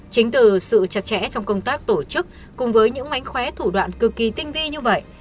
chính từ sự chặt chẽ trong công tác tổ chức cùng với những mánh khóe thủ đoạn cực kỳ tinh vi như vậy